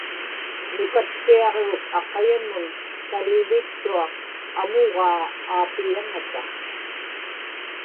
nukatpiaġruk aqayamun kalivittuaq amugaa aapiyaŋata